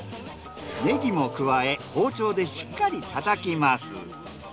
ネギも加え包丁でしっかり叩きます。